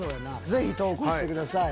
ぜひ投稿してください